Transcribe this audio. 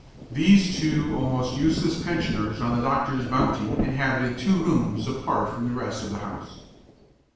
These two almost useless pensioners on the doctor's bounty inhabited two rooms apart from the rest of the house.